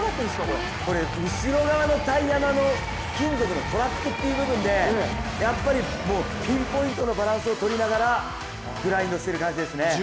これ、後ろのタイヤ側の金属のトラックっていう部分でやっぱりピンポイントのバランスを取りながらグラインドしてる感じですね。